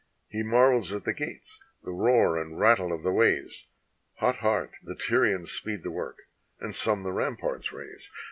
He marvels at the gates, the roar and rattle of the ways. Hot heart the Tyrians speed the work, and some the ramparts raise.